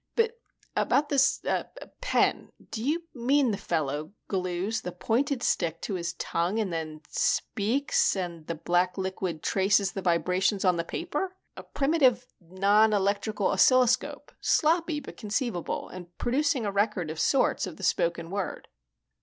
"But about this pen do you mean the fellow glues the pointed stick to his tongue and then speaks, and the black liquid traces the vibrations on the paper? A primitive non electrical oscilloscope? Sloppy but conceivable, and producing a record of sorts of the spoken word."